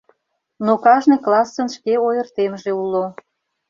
Но кажне классын шке ойыртемже уло.